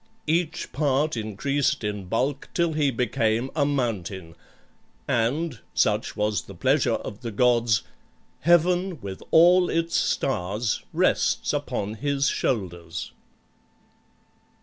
Each part increased in bulk till he became a mountain, and (such was the pleasure of the gods) heaven with all its stars rests upon his shoulders.